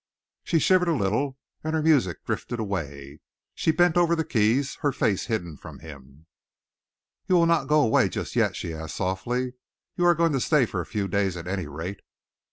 She shivered a little, and her music drifted away. She bent over the keys, her face hidden from him. "You will not go away just yet?" she asked softly. "You are going to stay for a few days, at any rate?"